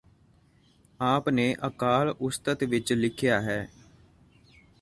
ਆਪ ਨੇ ਅਕਾਲ ਉਸਤਤ ਵਿਚ ਲਿਖਿਆ ਹੈ